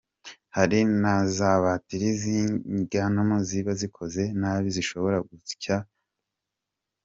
Hari na za batiri z’inyiganano ziba zikoze nabi zishobora gushya nta kizikozeho.